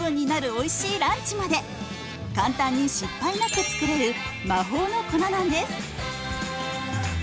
おいしいランチまで簡単に失敗なく作れる魔法の粉なんです。